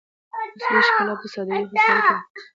اصلي ښکلا په سادګي او خاکساري کی ده؛ نه په لويي او مغروري کي